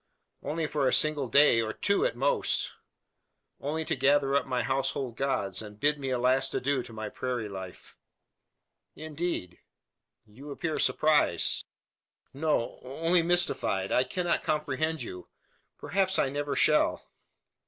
"Only for a single day, or two at most. Only to gather up my household gods, and bid a last adieu to my prairie life." "Indeed!" "You appear surprised." "No! only mystified. I cannot comprehend you. Perhaps I never shall!"